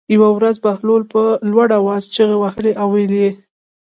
یوه ورځ بهلول په لوړ آواز چغې وهلې او ویلې یې.